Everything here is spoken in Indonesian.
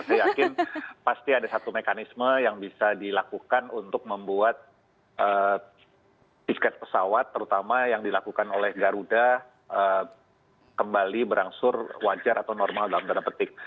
saya yakin pasti ada satu mekanisme yang bisa dilakukan untuk membuat tiket pesawat terutama yang dilakukan oleh garuda kembali berangsur wajar atau normal dalam tanda petik